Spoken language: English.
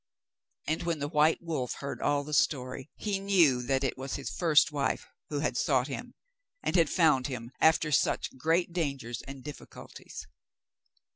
And when the white wolf heard all the story, he knew that it was his first wife, who had sought him, and had found him, after such great dangers and difficulties.